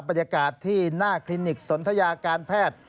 บรรยากาศที่หน้าคลินิกสนทยาการแพทย์